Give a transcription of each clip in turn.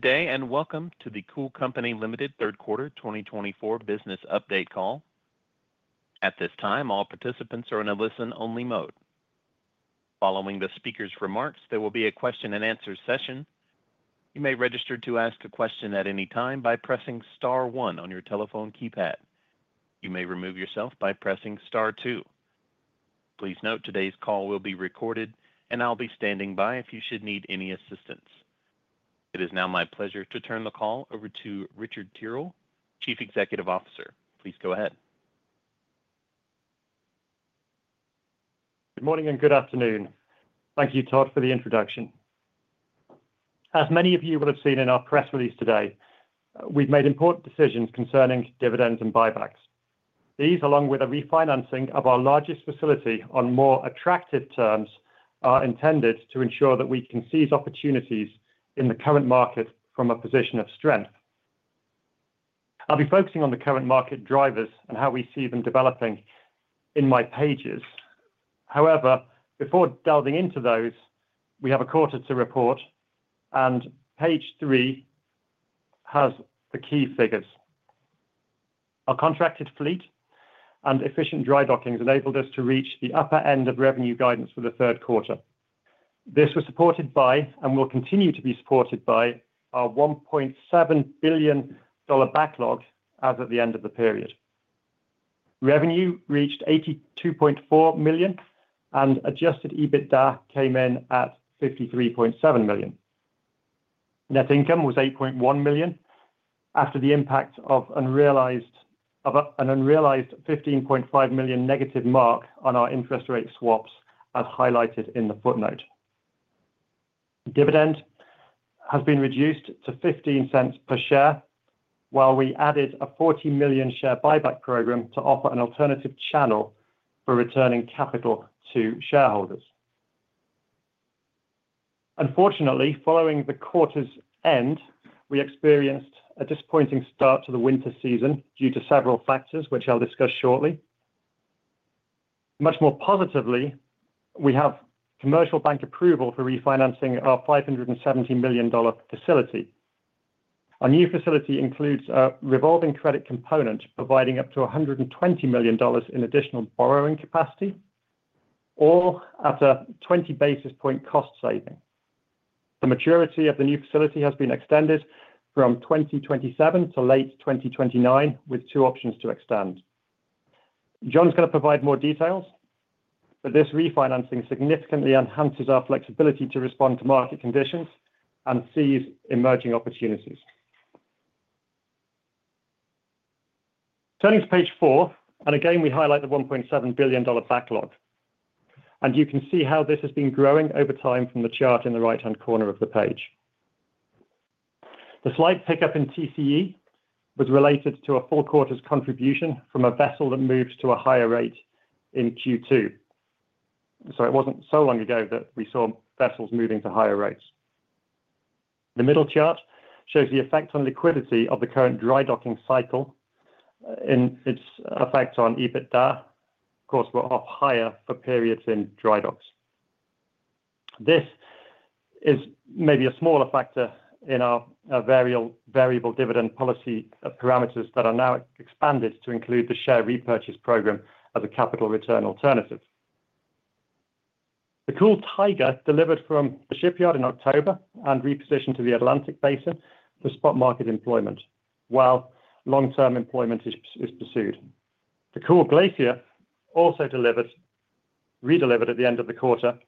Good day and welcome to the Cool Company Limited third quarter 2024 business update call. At this time, all participants are in a listen-only mode. Following the speaker's remarks, there will be a question-and-answer session. You may register to ask a question at any time by pressing star one on your telephone keypad. You may remove yourself by pressing star two. Please note today's call will be recorded, and I'll be standing by if you should need any assistance. It is now my pleasure to turn the call over to Richard Tyrrell, Chief Executive Officer. Please go ahead. Good morning and good afternoon. Thank you, Todd, for the introduction. As many of you will have seen in our press release today, we've made important decisions concerning dividends and buybacks. These, along with a refinancing of our largest facility on more attractive terms, are intended to ensure that we can seize opportunities in the current market from a position of strength. I'll be focusing on the current market drivers and how we see them developing in my pages. However, before delving into those, we have a quarter to report, and page three has the key figures. Our contracted fleet and efficient dry dockings enabled us to reach the upper end of revenue guidance for the third quarter. This was supported by, and will continue to be supported by, our $1.7 billion backlog as of the end of the period. Revenue reached $82.4 million, and Adjusted EBITDA came in at $53.7 million. Net income was $8.1 million after the impact of an unrealized $15.5 million negative mark on our interest rate swaps, as highlighted in the footnote. Dividend has been reduced to $0.15 per share, while we added a $40 million share buyback program to offer an alternative channel for returning capital to shareholders. Unfortunately, following the quarter's end, we experienced a disappointing start to the winter season due to several factors, which I'll discuss shortly. Much more positively, we have commercial bank approval for refinancing our $570 million facility. Our new facility includes a revolving credit component providing up to $120 million in additional borrowing capacity, all at a 20 basis point cost saving. The maturity of the new facility has been extended from 2027 to late 2029, with two options to extend. John's going to provide more details, but this refinancing significantly enhances our flexibility to respond to market conditions and seize emerging opportunities. Turning to page four, and again, we highlight the $1.7 billion backlog, and you can see how this has been growing over time from the chart in the right-hand corner of the page. The slight pickup in TCE was related to a four-quarters contribution from a vessel that moved to a higher rate in Q2. So it wasn't so long ago that we saw vessels moving to higher rates. The middle chart shows the effect on liquidity of the current dry docking cycle and its effect on EBITDA. Of course, we're off-hire for periods in dry docks. This is maybe a smaller factor in our variable dividend policy parameters that are now expanded to include the share repurchase program as a capital return alternative. The Cool Tiger delivered from the shipyard in October and repositioned to the Atlantic Basin for spot market employment while long-term employment is pursued. The Cool Glacier also redelivered at the end of the quarter,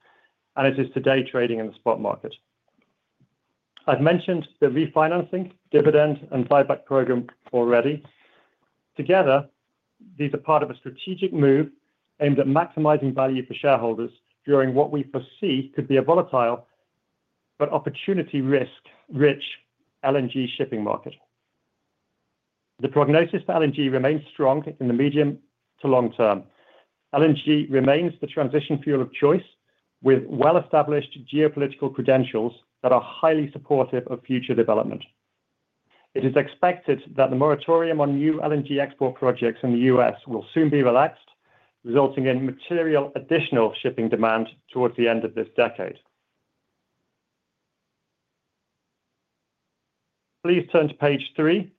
and it is today trading in the spot market. I've mentioned the refinancing, dividend, and buyback program already. Together, these are part of a strategic move aimed at maximizing value for shareholders during what we foresee could be a volatile but opportunity-rich LNG shipping market. The prognosis for LNG remains strong in the medium to long term. LNG remains the transition fuel of choice with well-established geopolitical credentials that are highly supportive of future development. It is expected that the moratorium on new LNG export projects in the U.S. will soon be relaxed, resulting in material additional shipping demand towards the end of this decade. Please turn to page three.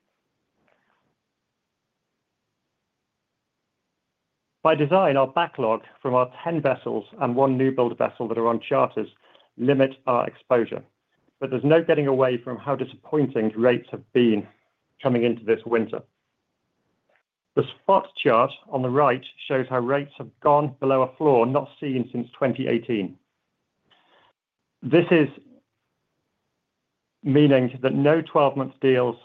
By design, our backlog from our 10 vessels and one new build vessel that are on charters limits our exposure, but there's no getting away from how disappointing rates have been coming into this winter. The spot chart on the right shows how rates have gone below a floor not seen since 2018. This is meaning that no 12-month deals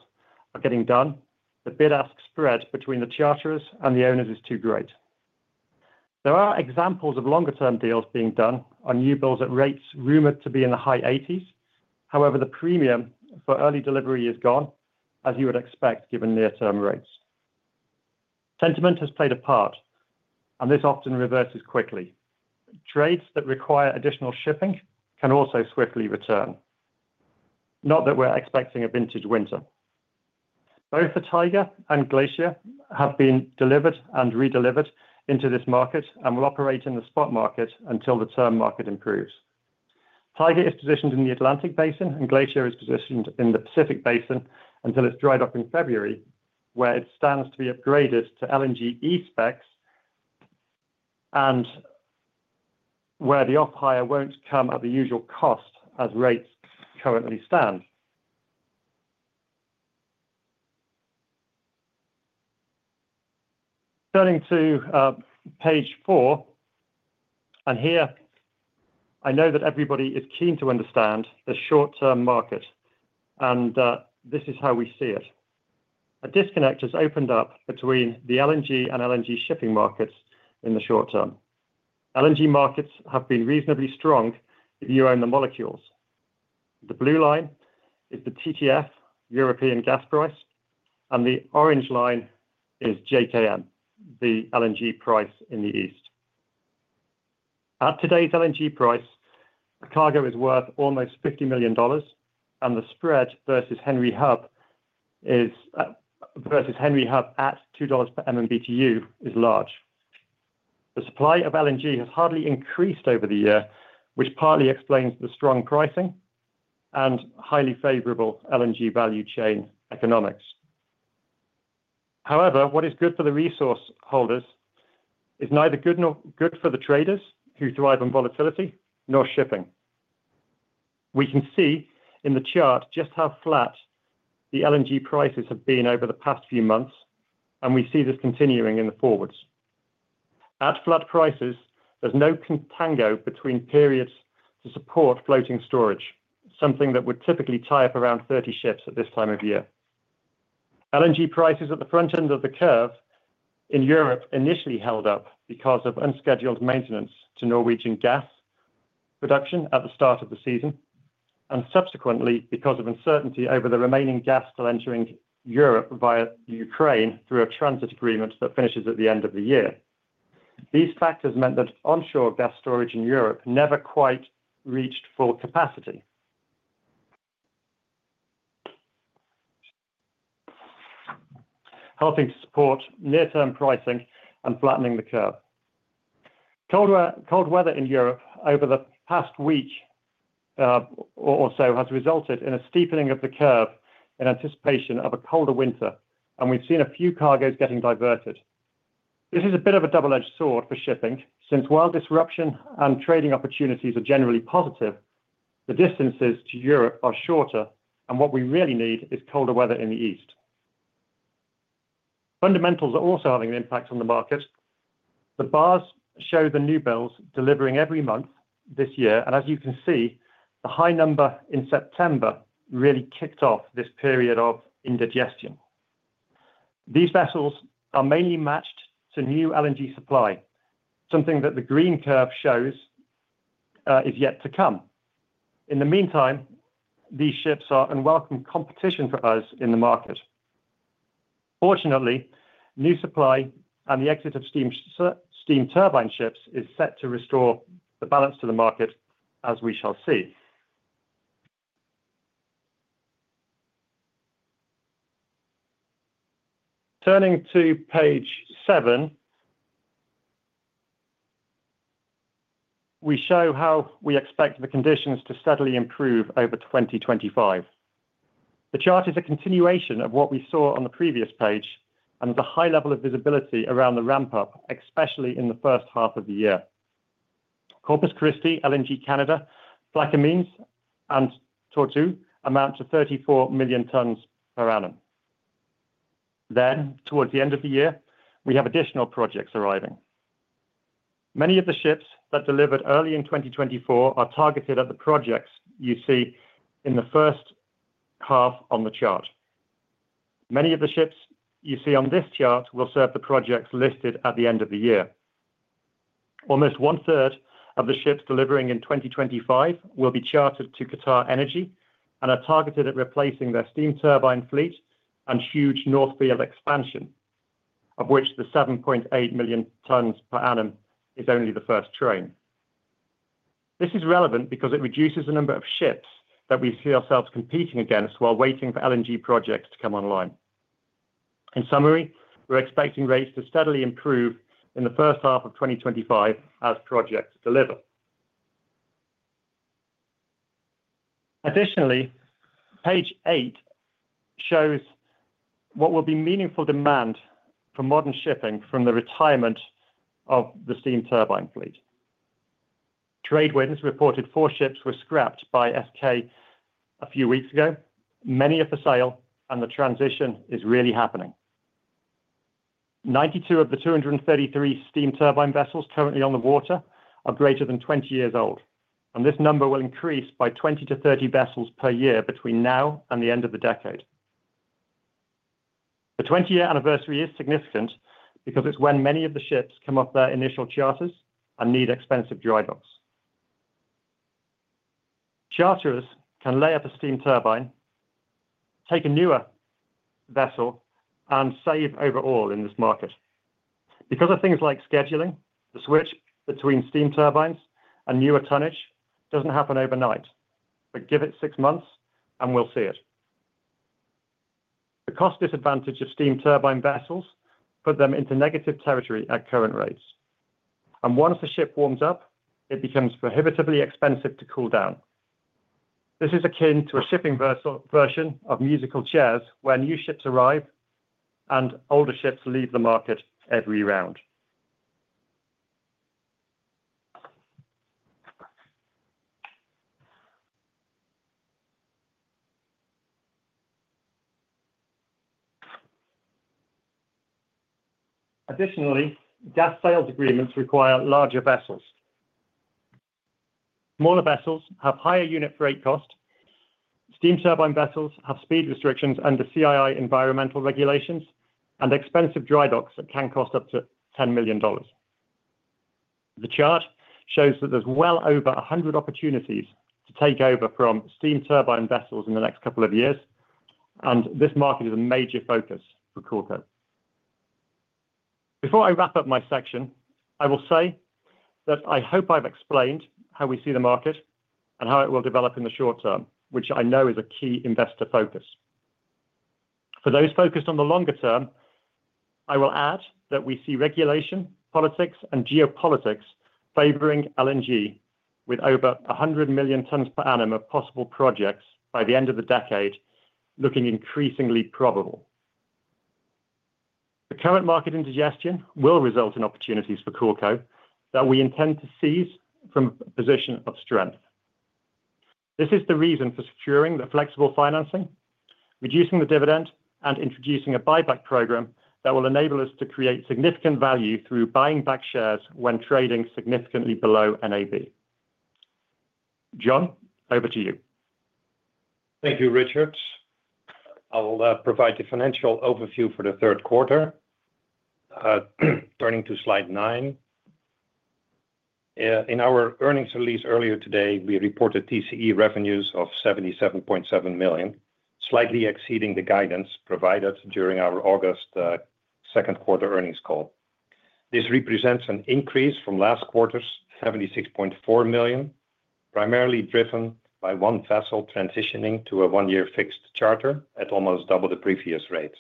are getting done. The bid-ask spread between the charters and the owners is too great. There are examples of longer-term deals being done on new builds at rates rumored to be in the high 80s. However, the premium for early delivery is gone, as you would expect given near-term rates. Sentiment has played a part, and this often reverses quickly. Trades that require additional shipping can also swiftly return. Not that we're expecting a vintage winter. Both the Tiger and Glacier have been delivered and redelivered into this market and will operate in the spot market until the term market improves. Tiger is positioned in the Atlantic Basin, and Glacier is positioned in the Pacific Basin until its dry dock in February, where it stands to be upgraded to LNG e-specs and where the off-hire won't come at the usual cost as rates currently stand. Turning to page four, and here I know that everybody is keen to understand the short-term market, and this is how we see it. A disconnect has opened up between the LNG and LNG shipping markets in the short term. LNG markets have been reasonably strong if you own the molecules. The blue line is the TTF, European gas price, and the orange line is JKM, the LNG price in the east. At today's LNG price, cargo is worth almost $50 million, and the spread versus Henry Hub at $2 per MMBtu is large. The supply of LNG has hardly increased over the year, which partly explains the strong pricing and highly favorable LNG value chain economics. However, what is good for the resource holders is neither good for the traders who thrive on volatility nor shipping. We can see in the chart just how flat the LNG prices have been over the past few months, and we see this continuing in the forwards. At flat prices, there's no contango between periods to support floating storage, something that would typically tie up around 30 ships at this time of year. LNG prices at the front end of the curve in Europe initially held up because of unscheduled maintenance to Norwegian gas production at the start of the season and subsequently because of uncertainty over the remaining gas still entering Europe via Ukraine through a transit agreement that finishes at the end of the year. These factors meant that onshore gas storage in Europe never quite reached full capacity, helping to support near-term pricing and flattening the curve. Cold weather in Europe over the past week or so has resulted in a steepening of the curve in anticipation of a colder winter, and we've seen a few cargoes getting diverted. This is a bit of a double-edged sword for shipping since while disruption and trading opportunities are generally positive, the distances to Europe are shorter, and what we really need is colder weather in the east. Fundamentals are also having an impact on the market. The bars show the new builds delivering every month this year, and as you can see, the high number in September really kicked off this period of indigestion. These vessels are mainly matched to new LNG supply, something that the green curve shows is yet to come. In the meantime, these ships are in welcome competition for us in the market. Fortunately, new supply and the exit of steam turbine ships is set to restore the balance to the market, as we shall see. Turning to page seven, we show how we expect the conditions to steadily improve over 2025. The chart is a continuation of what we saw on the previous page and the high level of visibility around the ramp-up, especially in the first half of the year. Corpus Christi, LNG Canada, Plaquemines, and Tortue amount to 34 million tons per annum. Then, towards the end of the year, we have additional projects arriving. Many of the ships that delivered early in 2024 are targeted at the projects you see in the first half on the chart. Many of the ships you see on this chart will serve the projects listed at the end of the year. Almost one-third of the ships delivering in 2025 will be chartered to QatarEnergy and are targeted at replacing their steam turbine fleet and huge North Field expansion, of which the 7.8 million tons per annum is only the first train. This is relevant because it reduces the number of ships that we see ourselves competing against while waiting for LNG projects to come online. In summary, we're expecting rates to steadily improve in the first half of 2025 as projects deliver. Additionally, page eight shows what will be meaningful demand for modern shipping from the retirement of the steam turbine fleet. TradeWinds reported four ships were scrapped by SK a few weeks ago. Many are for sale, and the transition is really happening. 92 of the 233 steam turbine vessels currently on the water are greater than 20 years old, and this number will increase by 20-30 vessels per year between now and the end of the decade. The 20-year anniversary is significant because it's when many of the ships come off their initial charters and need expensive dry docks. Charterers can lay up a steam turbine, take a newer vessel, and save overall in this market. Because of things like scheduling, the switch between steam turbines and newer tonnage doesn't happen overnight, but give it six months and we'll see it. The cost disadvantage of steam turbine vessels puts them into negative territory at current rates, and once the ship warms up, it becomes prohibitively expensive to cool down. This is akin to a shipping version of musical chairs where new ships arrive and older ships leave the market every round. Additionally, gas sales agreements require larger vessels. Smaller vessels have higher unit freight costs. Steam turbine vessels have speed restrictions under CII environmental regulations and expensive dry docks that can cost up to $10 million. The chart shows that there's well over 100 opportunities to take over from steam turbine vessels in the next couple of years, and this market is a major focus for CoolCo. Before I wrap up my section, I will say that I hope I've explained how we see the market and how it will develop in the short term, which I know is a key investor focus. For those focused on the longer term, I will add that we see regulation, politics, and geopolitics favoring LNG, with over 100 million tons per annum of possible projects by the end of the decade looking increasingly probable. The current market indigestion will result in opportunities for CoolCo that we intend to seize from a position of strength. This is the reason for securing the flexible financing, reducing the dividend, and introducing a buyback program that will enable us to create significant value through buying back shares when trading significantly below NAV. John, over to you. Thank you, Richard. I'll provide the financial overview for the third quarter. Turning to slide nine. In our earnings release earlier today, we reported TCE revenues of $77.7 million, slightly exceeding the guidance provided during our August second quarter earnings call. This represents an increase from last quarter's $76.4 million, primarily driven by one vessel transitioning to a one-year fixed charter at almost double the previous rate.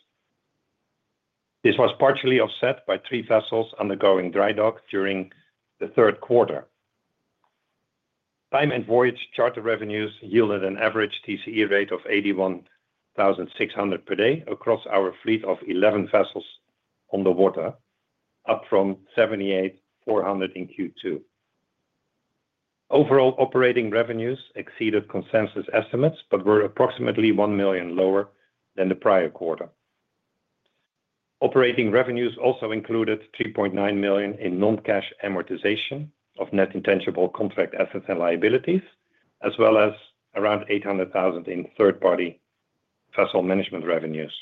This was partially offset by three vessels undergoing dry dock during the third quarter. Time and voyage charter revenues yielded an average TCE rate of $81,600 per day across our fleet of 11 vessels on the water, up from $78,400 in Q2. Overall operating revenues exceeded consensus estimates but were approximately one million lower than the prior quarter. Operating revenues also included $3.9 million in non-cash amortization of net intangible contract assets and liabilities, as well as around $800,000 in third-party vessel management revenues.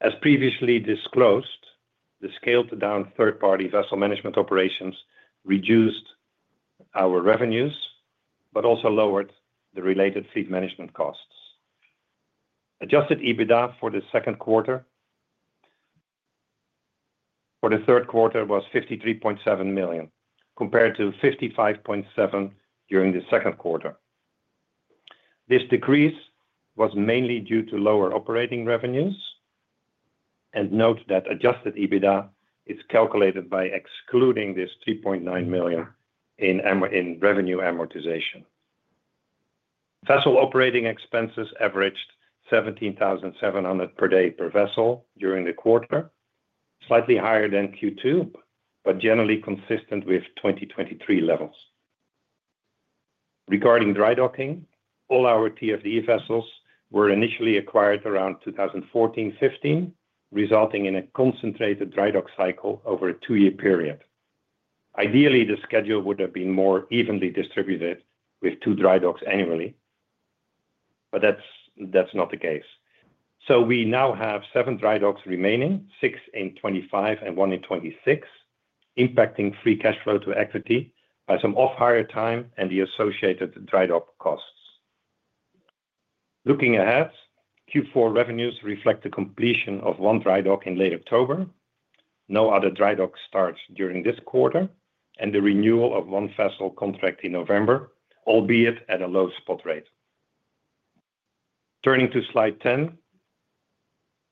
As previously disclosed, the scaled-down third-party vessel management operations reduced our revenues but also lowered the related fleet management costs. Adjusted EBITDA for the second quarter for the third quarter was $53.7 million, compared to $55.7 million during the second quarter. This decrease was mainly due to lower operating revenues, and note that adjusted EBITDA is calculated by excluding this $3.9 million in revenue amortization. Vessel operating expenses averaged 17,700 per day per vessel during the quarter, slightly higher than Q2, but generally consistent with 2023 levels. Regarding dry docking, all our TFDE vessels were initially acquired around 2014-2015, resulting in a concentrated dry dock cycle over a two-year period. Ideally, the schedule would have been more evenly distributed with two dry docks annually, but that's not the case. So we now have seven dry docks remaining, six in 2025 and one in 2026, impacting free cash flow to equity by some off-hire time and the associated dry dock costs. Looking ahead, Q4 revenues reflect the completion of one dry dock in late October, no other dry dock start during this quarter, and the renewal of one vessel contract in November, albeit at a low spot rate. Turning to slide 10,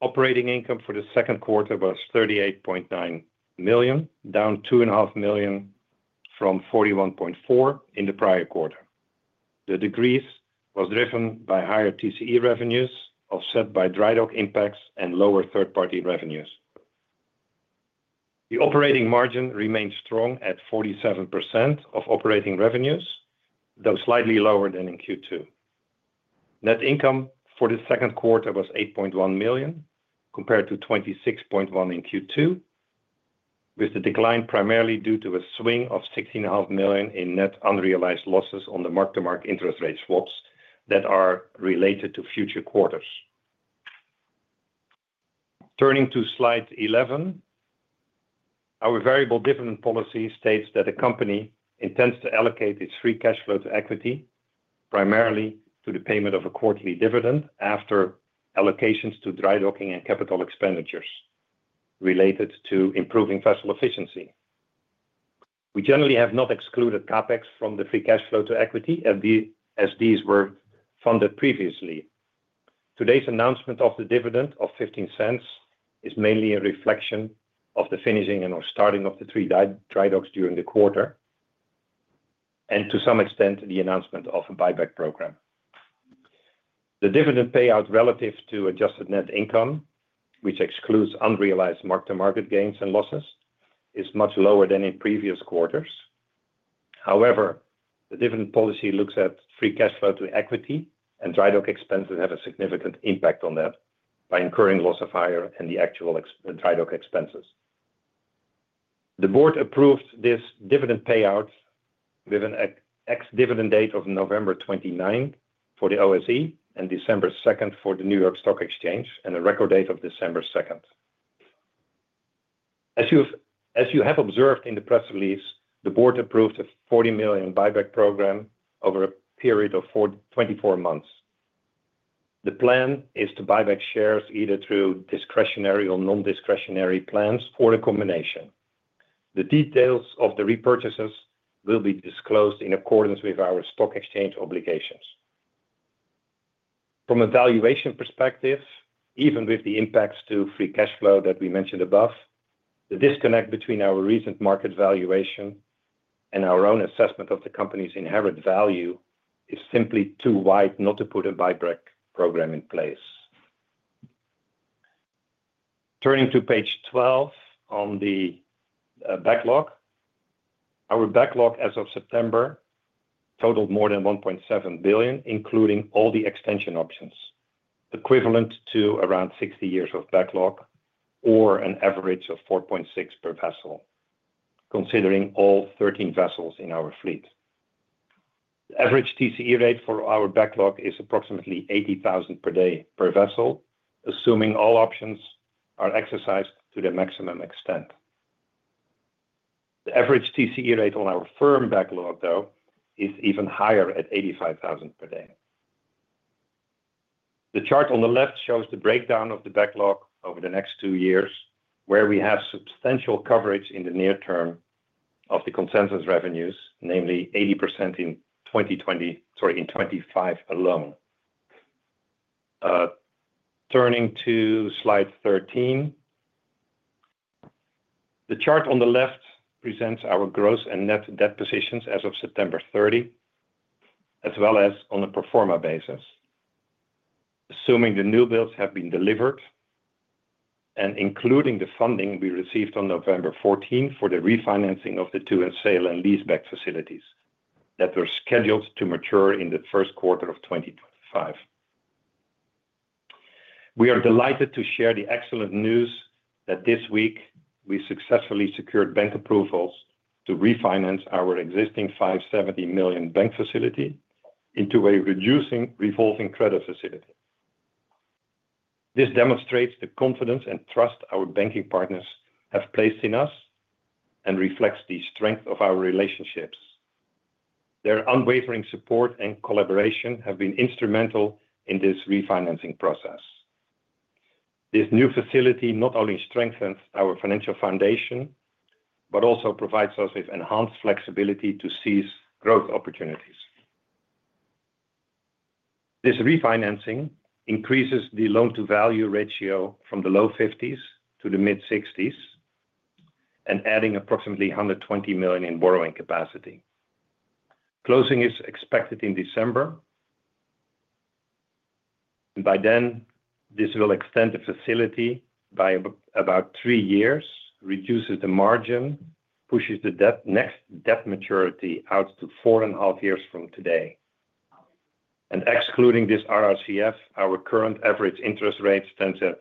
operating income for the second quarter was $38.9 million, down $2.5 million from $41.4 million in the prior quarter. The decrease was driven by higher TCE revenues offset by dry dock impacts and lower third-party revenues. The operating margin remained strong at 47% of operating revenues, though slightly lower than in Q2. Net income for the second quarter was $8.1 million, compared to $26.1 million in Q2, with the decline primarily due to a swing of $16.5 million in net unrealized losses on the mark-to-market interest rate swaps that are related to future quarters. Turning to slide 11, our variable dividend policy states that the company intends to allocate its free cash flow to equity, primarily to the payment of a quarterly dividend after allocations to dry docking and capital expenditures related to improving vessel efficiency. We generally have not excluded CapEx from the free cash flow to equity as these were funded previously. Today's announcement of the dividend of $0.15 is mainly a reflection of the finishing and/or starting of the three dry docks during the quarter, and to some extent, the announcement of a buyback program. The dividend payout relative to adjusted net income, which excludes unrealized mark-to-market gains and losses, is much lower than in previous quarters. However, the dividend policy looks at free cash flow to equity, and dry dock expenses have a significant impact on that by incurring loss of hire and the actual dry dock expenses. The board approved this dividend payout with an ex-dividend date of November 29 for the OSE and December 2 for the New York Stock Exchange, and a record date of December 2. As you have observed in the press release, the board approved a $40 million buyback program over a period of 24 months. The plan is to buy back shares either through discretionary or non-discretionary plans for the combination. The details of the repurchases will be disclosed in accordance with our stock exchange obligations. From a valuation perspective, even with the impacts to free cash flow that we mentioned above, the disconnect between our recent market valuation and our own assessment of the company's inherent value is simply too wide not to put a buyback program in place. Turning to page 12 on the backlog, our backlog as of September totaled more than $1.7 billion, including all the extension options, equivalent to around 60 years of backlog or an average of 4.6 per vessel, considering all 13 vessels in our fleet. The average TCE rate for our backlog is approximately 80,000 per day per vessel, assuming all options are exercised to the maximum extent. The average TCE rate on our firm backlog, though, is even higher at 85,000 per day. The chart on the left shows the breakdown of the backlog over the next two years, where we have substantial coverage in the near term of the consensus revenues, namely 80% in 2025 alone. Turning to slide 13, the chart on the left presents our gross and net debt positions as of September 30, as well as on a pro forma basis, assuming the new builds have been delivered and including the funding we received on November 14 for the refinancing of the two sale and leaseback facilities that were scheduled to mature in the first quarter of 2025. We are delighted to share the excellent news that this week we successfully secured bank approvals to refinance our existing $570 million bank facility into a revolving credit facility. This demonstrates the confidence and trust our banking partners have placed in us and reflects the strength of our relationships. Their unwavering support and collaboration have been instrumental in this refinancing process. This new facility not only strengthens our financial foundation, but also provides us with enhanced flexibility to seize growth opportunities. This refinancing increases the loan-to-value ratio from the low 50s to the mid-60s, and adding approximately $120 million in borrowing capacity. Closing is expected in December. By then, this will extend the facility by about three years, reduces the margin, pushes the next debt maturity out to four and a half years from today, and excluding this RRCF, our current average interest rate stands at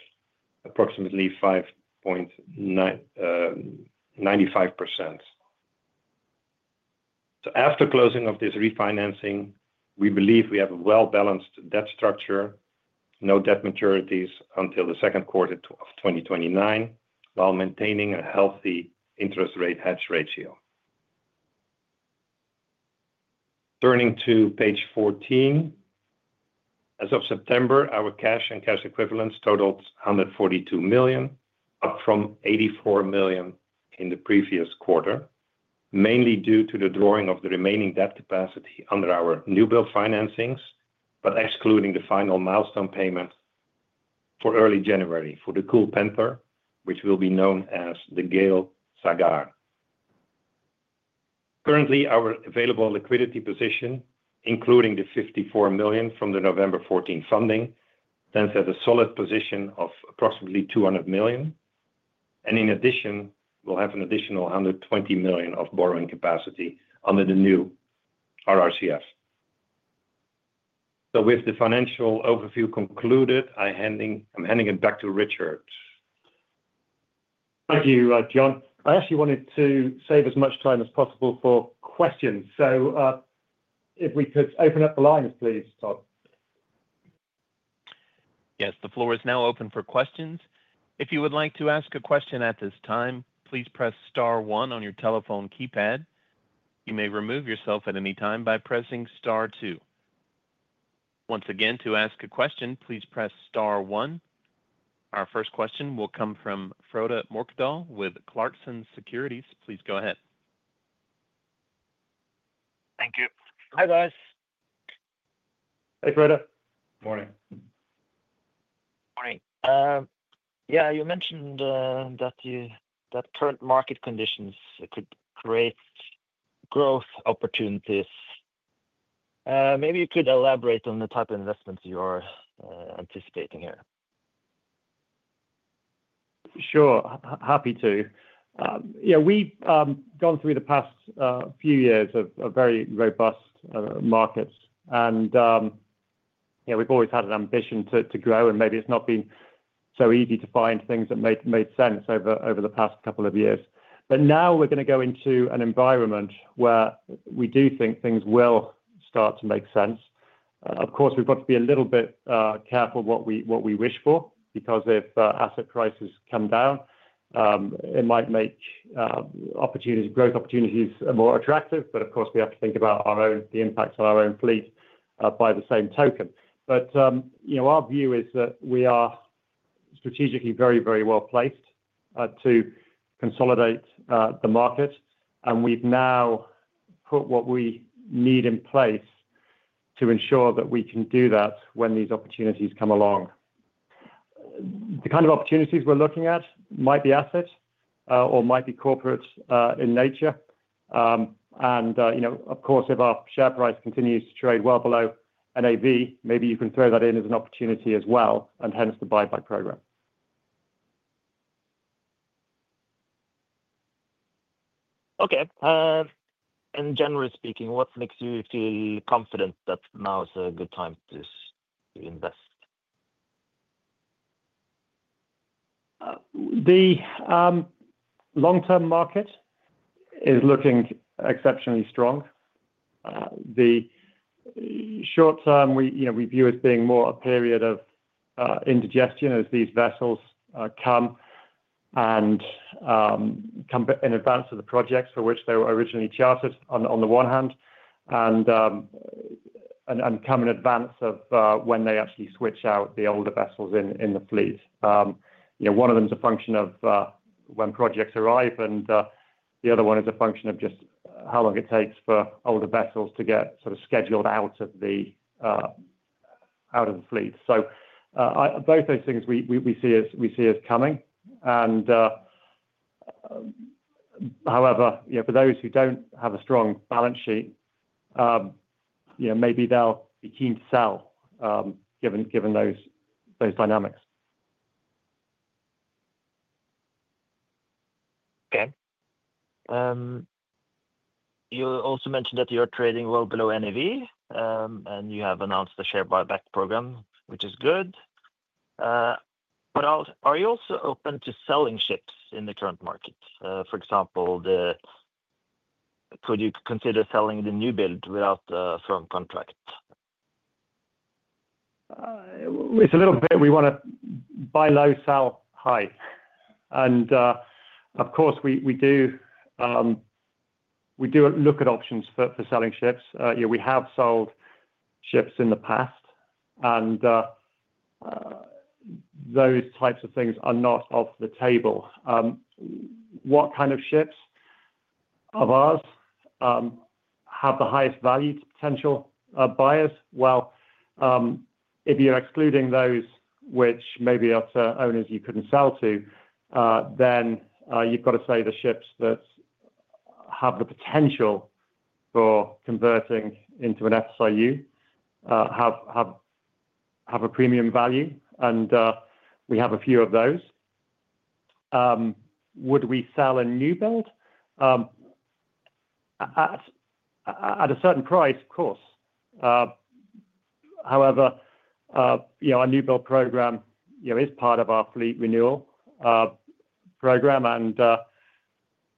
approximately 5.95%. After closing of this refinancing, we believe we have a well-balanced debt structure, no debt maturities until the second quarter of 2029, while maintaining a healthy interest rate hedge ratio. Turning to page 14, as of September, our cash and cash equivalents totaled $142 million, up from $84 million in the previous quarter, mainly due to the drawing of the remaining debt capacity under our new build financings, but excluding the final milestone payment for early January for the Cool Panther, which will be known as the GAIL Sagar. Currently, our available liquidity position, including the $54 million from the November 14 funding, stands at a solid position of approximately $200 million. In addition, we'll have an additional $120 million of borrowing capacity under the new RRCF. With the financial overview concluded, I'm handing it back to Richard. Thank you, John. I actually wanted to save as much time as possible for questions. If we could open up the lines, please, Tom. Yes, the floor is now open for questions. If you would like to ask a question at this time, please press star one on your telephone keypad. You may remove yourself at any time by pressing star two. Once again, to ask a question, please press star one. Our first question will come from Frode Morkedal with Clarksons Securities. Please go ahead. Thank you. Hi, guys. Hey, Frode. Morning. Morning. Yeah, you mentioned that current market conditions could create growth opportunities. Maybe you could elaborate on the type of investments you are anticipating here. Sure. Happy to. Yeah, we've gone through the past few years of very robust markets. And yeah, we've always had an ambition to grow, and maybe it's not been so easy to find things that made sense over the past couple of years. But now we're going to go into an environment where we do think things will start to make sense. Of course, we've got to be a little bit careful what we wish for, because if asset prices come down, it might make growth opportunities more attractive. But of course, we have to think about the impact on our own fleet by the same token. But our view is that we are strategically very, very well placed to consolidate the market. And we've now put what we need in place to ensure that we can do that when these opportunities come along. The kind of opportunities we're looking at might be assets or might be corporate in nature. And of course, if our share price continues to trade well below NAV, maybe you can throw that in as an opportunity as well, and hence the buyback program. Okay. And generally speaking, what makes you feel confident that now is a good time to invest? The long-term market is looking exceptionally strong. The short-term we view as being more a period of indigestion as these vessels come in and come in advance of the projects for which they were originally chartered on the one hand, and come in advance of when they actually switch out the older vessels in the fleet. One of them is a function of when projects arrive, and the other one is a function of just how long it takes for older vessels to get sort of scheduled out of the fleet. So both those things we see as coming. And however, for those who don't have a strong balance sheet, maybe they'll be keen to sell given those dynamics. Okay. You also mentioned that you're trading well below NAV, and you have announced the share buyback program, which is good. Are you also open to selling ships in the current market? For example, could you consider selling the new build without a firm contract? It's a little bit we want to buy low, sell high. Of course, we do look at options for selling ships. We have sold ships in the past, and those types of things are not off the table. What kind of ships of ours have the highest value to potential buyers? If you're excluding those which may be owners you couldn't sell to, then you've got to say the ships that have the potential for converting into an FSRU have a premium value, and we have a few of those. Would we sell a new build? At a certain price, of course. However, our new build program is part of our fleet renewal program, and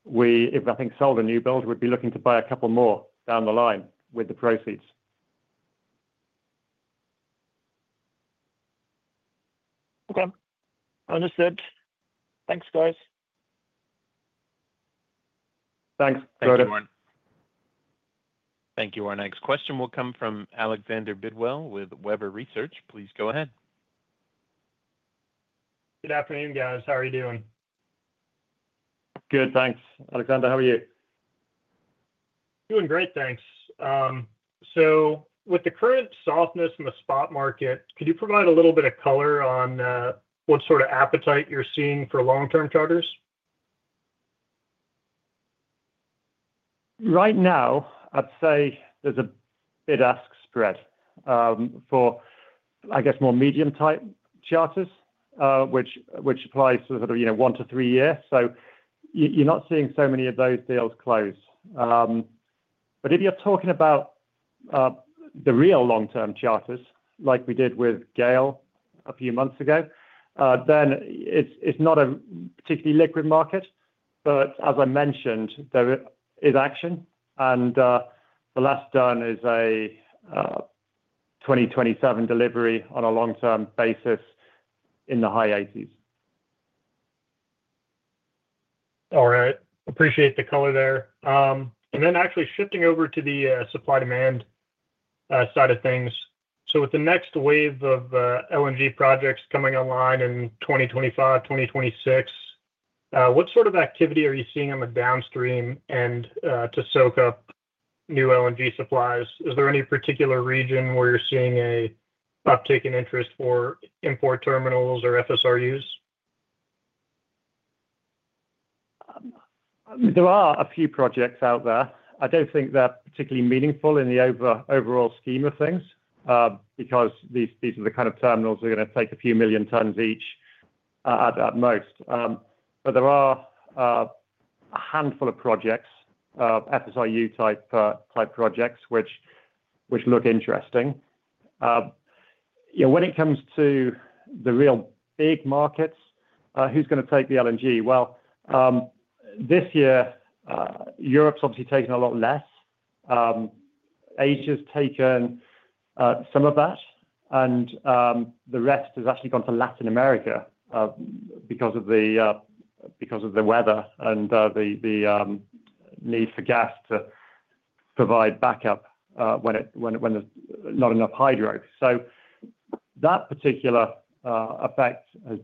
if nothing sold, a new build would be looking to buy a couple more down the line with the proceeds. Okay. Understood. Thanks, guys. Thanks, Frode. Thank you, Warren. Thank you, Warren. Next question will come from Alexander Bidwell with Webber Research. Please go ahead. Good afternoon, guys. How are you doing? Good, thanks. Alexander, how are you? Doing great, thanks. So with the current softness in the spot market, could you provide a little bit of color on what sort of appetite you're seeing for long-term charters? Right now, I'd say there's a bid-ask spread for, I guess, more medium-type charters, which applies to sort of one to three years. So you're not seeing so many of those deals close. But if you're talking about the real long-term charters, like we did with GAIL a few months ago, then it's not a particularly liquid market. But as I mentioned, there is action, and the last done is a 2027 delivery on a long-term basis in the high 80s. All right. Appreciate the color there. And then actually shifting over to the supply-demand side of things. So with the next wave of LNG projects coming online in 2025, 2026, what sort of activity are you seeing on the downstream to soak up new LNG supplies? Is there any particular region where you're seeing an uptick in interest for import terminals or FSRUs? There are a few projects out there. I don't think they're particularly meaningful in the overall scheme of things because these are the kind of terminals that are going to take a few million tons each at most. But there are a handful of projects, FSRU-type projects, which look interesting. When it comes to the real big markets, who's going to take the LNG? Well, this year, Europe's obviously taken a lot less. Asia's taken some of that, and the rest has actually gone to Latin America because of the weather and the need for gas to provide backup when there's not enough hydro. So that particular effect has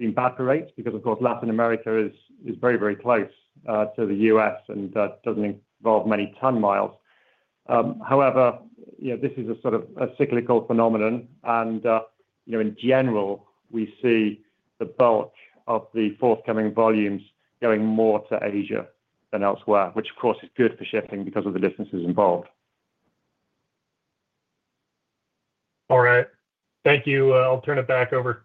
evaporated because, of course, Latin America is very, very close to the U.S. and doesn't involve many ton miles. However, this is a sort of cyclical phenomenon, and in general, we see the bulk of the forthcoming volumes going more to Asia than elsewhere, which, of course, is good for shipping because of the distances involved. All right. Thank you. I'll turn it back over.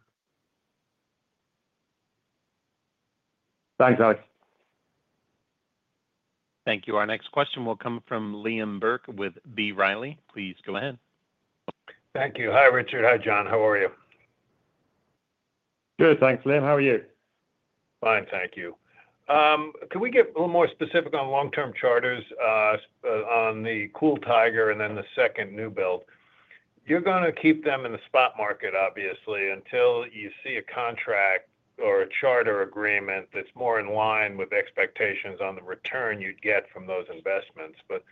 Thanks, Alex. Thank you. Our next question will come from Liam Burke with B. Riley. Please go ahead. Thank you. Hi, Richard. Hi, John. How are you? Good, thanks, Liam. How are you? Fine, thank you. Can we get a little more specific on long-term charters on the Cool Tiger and then the second new build? You're going to keep them in the spot market, obviously, until you see a contract or a charter agreement that's more in line with expectations on the return you'd get from those investments. But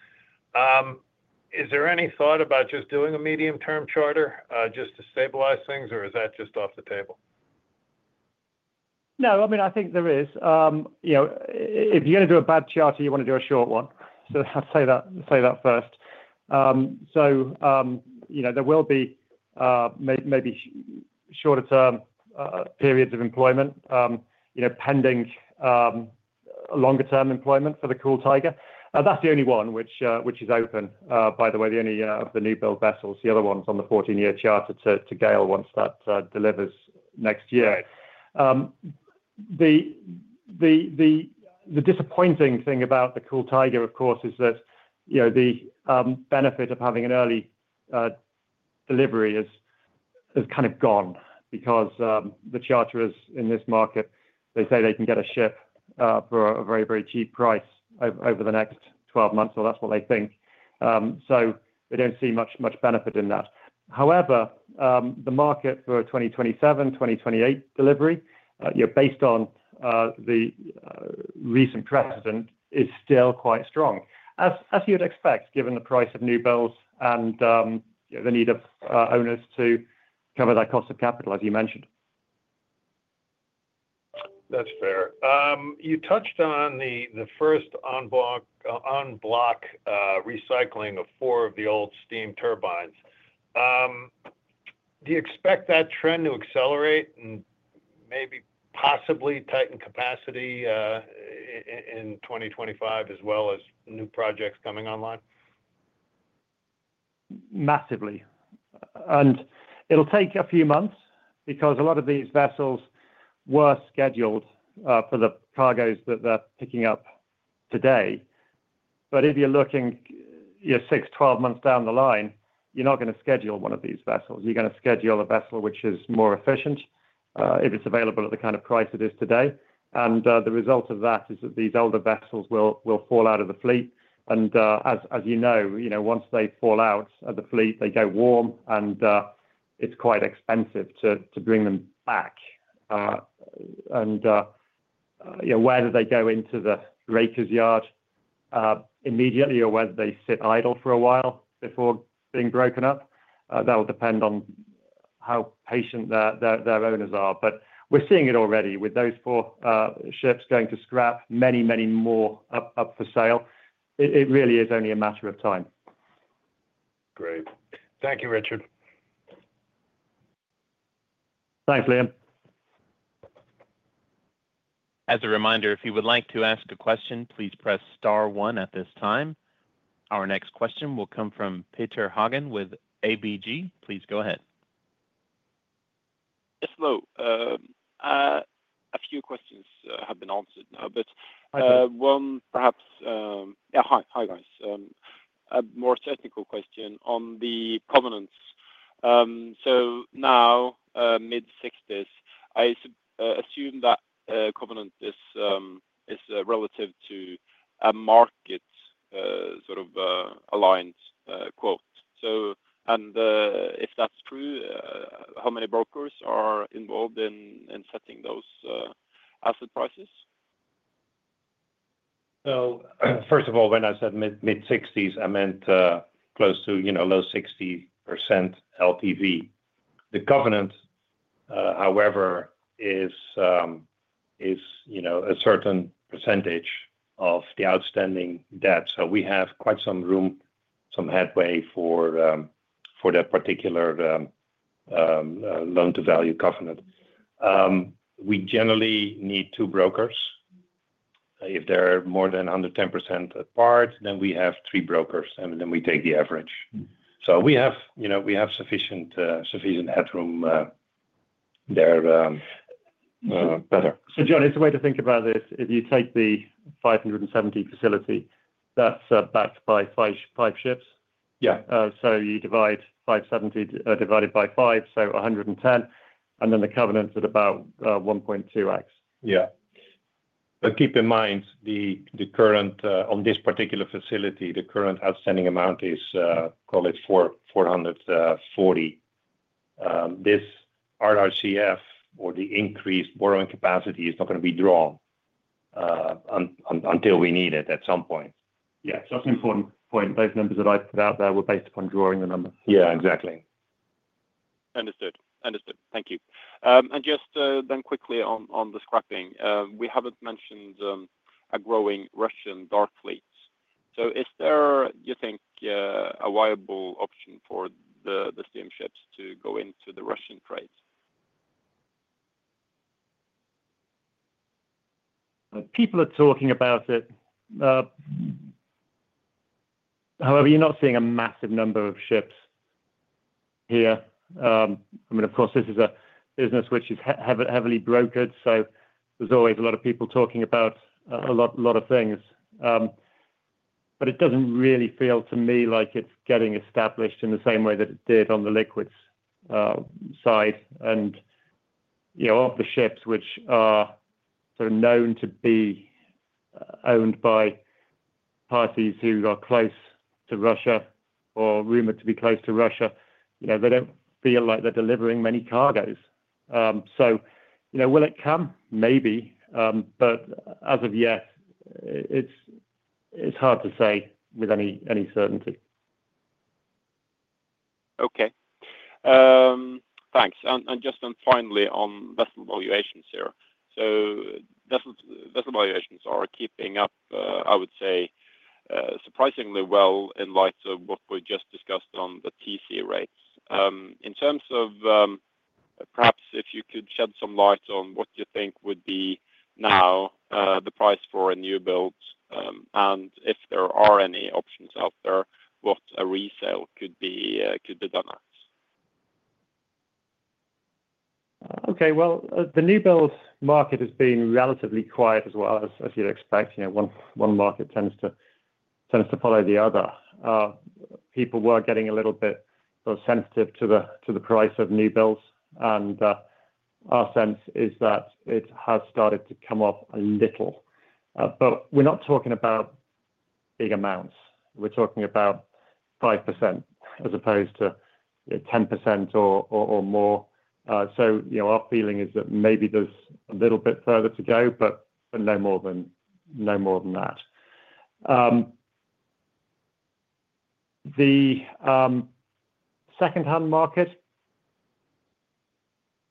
is there any thought about just doing a medium-term charter just to stabilize things, or is that just off the table? No, I mean, I think there is. If you're going to do a bad charter, you want to do a short one. So I'll say that first. So there will be maybe shorter-term periods of employment pending longer-term employment for the Cool Tiger. That's the only one which is open, by the way, the only one of the new build vessels. The other one's on the 14-year charter to GAIL once that delivers next year. The disappointing thing about the Cool Tiger, of course, is that the benefit of having an early delivery is kind of gone because the charterers in this market, they say they can get a ship for a very, very cheap price over the next 12 months, or that's what they think. So they don't see much benefit in that. However, the market for a 2027, 2028 delivery, based on the recent precedent, is still quite strong, as you'd expect, given the price of new builds and the need of owners to cover that cost of capital, as you mentioned. That's fair. You touched on the first en bloc recycling of four of the old steam turbines. Do you expect that trend to accelerate and maybe possibly tighten capacity in 2025, as well as new projects coming online? Massively. And it'll take a few months because a lot of these vessels were scheduled for the cargoes that they're picking up today. But if you're looking six, 12 months down the line, you're not going to schedule one of these vessels. You're going to schedule a vessel which is more efficient if it's available at the kind of price it is today. And the result of that is that these older vessels will fall out of the fleet. And as you know, once they fall out of the fleet, they go warm, and it's quite expensive to bring them back. And whether they go into the breakers' yard immediately or whether they sit idle for a while before being broken up, that will depend on how patient their owners are. But we're seeing it already with those four ships going to scrap. Many, many more up for sale. It really is only a matter of time. Great. Thank you, Richard. Thanks, Liam. As a reminder, if you would like to ask a question, please press star one at this time. Our next question will come from Petter Haugen with ABG. Please go ahead. Yes, Moe. A few questions have been answered now, but one perhaps. Hi, guys. A more technical question on the covenants. So now, mid-60s, I assume that covenant is relative to a market sort of aligned quote. And if that's true, how many brokers are involved in setting those asset prices? So first of all, when I said mid-60s, I meant close to low 60% LTV. The covenant, however, is a certain percentage of the outstanding debt. So we have quite some room, some headway for that particular loan-to-value covenant. We generally need two brokers. If they're more than under 10% apart, then we have three brokers, and then we take the average. So we have sufficient headroom there. So John, it's a way to think about this. If you take the 570 facility, that's backed by five ships. So you divide 570 divided by 5, so 110, and then the covenant at about 1.2x. Yeah. But keep in mind, on this particular facility, the current outstanding amount is, call it 440. This RRCF, or the increased borrowing capacity, is not going to be drawn until we need it at some point. Yeah. So that's an important point. Those numbers that I put out there were based upon drawing the number. Yeah, exactly. Understood. Understood. Thank you. And just then quickly on the scrapping, we haven't mentioned a growing Russian dark fleet. So is there, you think, a viable option for the steam ships to go into the Russian trade? People are talking about it. However, you're not seeing a massive number of ships here. I mean, of course, this is a business which is heavily brokered, so there's always a lot of people talking about a lot of things. But it doesn't really feel to me like it's getting established in the same way that it did on the liquids side. And of the ships which are sort of known to be owned by parties who are close to Russia or rumored to be close to Russia, they don't feel like they're delivering many cargoes. So will it come? Maybe. But as of yet, it's hard to say with any certainty. Okay. Thanks. And just finally on vessel valuations here. So vessel valuations are keeping up, I would say, surprisingly well in light of what we just discussed on the TC rates. In terms of perhaps if you could shed some light on what you think would be now the price for a new build and if there are any options out there, what a resale could be done at? Okay. Well, the new build market has been relatively quiet as well as you'd expect. One market tends to follow the other. People were getting a little bit sensitive to the price of new builds, and our sense is that it has started to come up a little. But we're not talking about big amounts. We're talking about 5% as opposed to 10% or more. So our feeling is that maybe there's a little bit further to go, but no more than that. The second-hand market,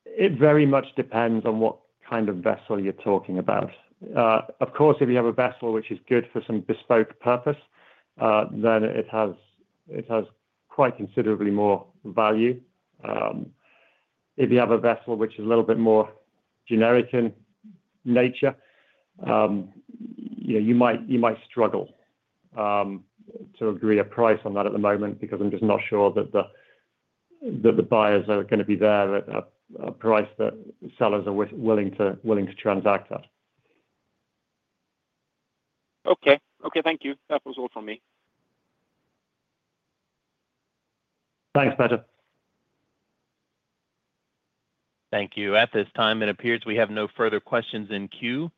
it very much depends on what kind of vessel you're talking about. Of course, if you have a vessel which is good for some bespoke purpose, then it has quite considerably more value. If you have a vessel which is a little bit more generic in nature, you might struggle to agree a price on that at the moment because I'm just not sure that the buyers are going to be there at a price that sellers are willing to transact at. Okay. Okay. Thank you. That was all from me. Thanks, Petter. Thank you. At this time, it appears we have no further questions in queue.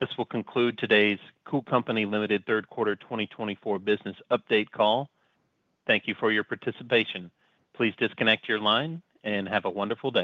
This will conclude today's Cool Company Limited third quarter 2024 business update call. Thank you for your participation. Please disconnect your line and have a wonderful day.